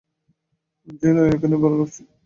জ্বি-না, এখানেই ভালো লাগছে।